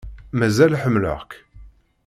Mazal ḥemmleɣ-k.